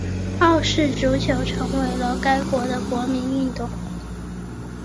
澳式足球成为了该国的国民运动。